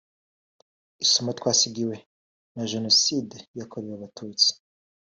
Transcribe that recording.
“Isomo twasigiwe na Jenoside yakorewe Abatutsi